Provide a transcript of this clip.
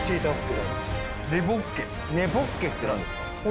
「根ボッケ」って何ですか？